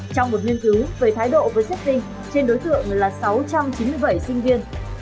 trong một nghiên cứu về thái độ với xếp tinh trên đối tượng là sáu trăm chín mươi bảy sinh viên